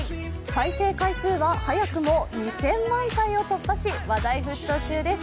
再生回数は早くも２０００万回を突破し、話題沸騰中です。